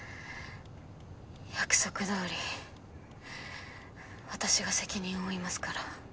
約束通り私が責任を負いますから。